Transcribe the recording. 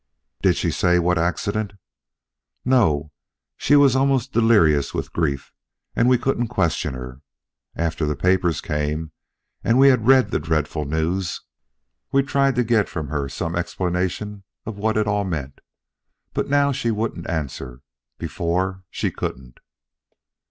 "Did she say what accident?" "No; she was almost delirious with grief, and we couldn't question her. After the papers came and we had read the dreadful news, we tried to get from her some explanation of what it all meant, but now she wouldn't answer; before, she couldn't."